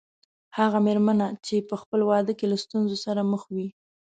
هغه مېرمنه چې په خپل واده کې له ستونزو سره مخ وي.